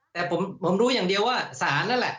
แต่ผมรู้อย่างเดียวว่าสารนั่นแหละ